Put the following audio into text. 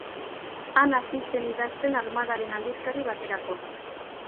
Han hasi zen idazten Armadaren aldizkari baterako.